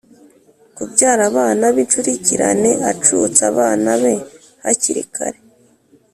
kubyara abana bincurikirane acutsa abana be hakiri kare